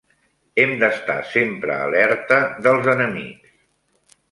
Hem d'estar sempre alerta dels enemics.